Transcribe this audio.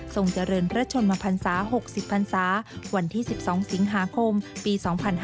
เจริญพระชนมพันศา๖๐พันศาวันที่๑๒สิงหาคมปี๒๕๕๙